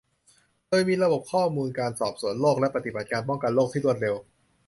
โดยมีระบบข้อมูลการสอบสวนโรค และ ปฏิบัติการป้องกันโรคที่รวดเร็ว